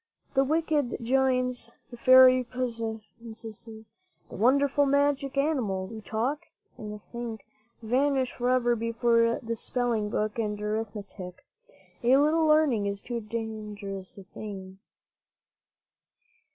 The wicked giants, the fairy princesses, the wonderful, magic animals who talk and think, vanish forever before the spelling book and arithmetic. A little learning is a dangerous thing.